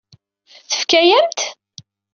Tefka-yam-t?